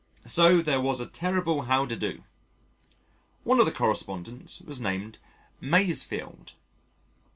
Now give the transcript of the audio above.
So there was a terrible howdedo. One of the correspondents was named "Masefield."